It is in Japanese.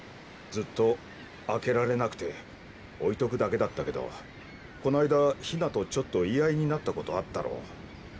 ずっと開けられなくて置いとくだけだったけどこの間陽菜とちょっと言い合いになった事あったろ。